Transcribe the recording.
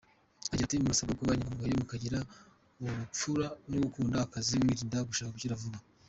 Agira ati “Murasabwa kuba inyangamugayo, mukagira ubupfura no gukunda akazi, mwirinde gushaka gukira vuba.